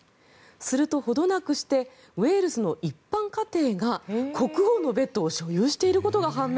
すると、ほどなくしてウェールズの一般家庭が国王のベッドを所有していることが判明。